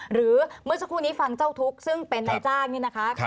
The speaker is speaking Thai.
หรือเมื่อสักครู่นี้ฟังเจ้าทุกข์ซึ่งเป็นนายจ้างนี่นะคะ